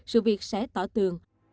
sự việc sẽ tỏ tường